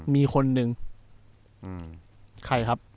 มีคนหนึ่งใครครับ